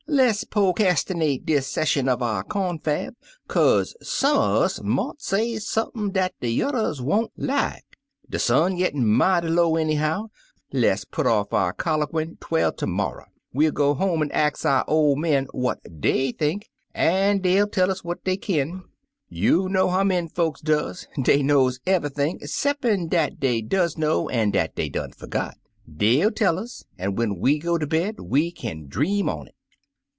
Le's p'oc'astinate dis session uv our confab, kaze some un us mought say sump'n dat de yuthers won't 136 The Most Beautiful Bird like. De sun gittin' mighty low anyhow; le's put off our coUoguin' twel termorrer. We'll go home an' ax our oV men what dey think, an' dey '11 tell us what dey kin — you know how men folks does: dey knows eve'y thing 'ceppin' dat dey does know, an' dat dey done fergot, Dey '11 tell us, an' when we go ter bed we kin dream on it.'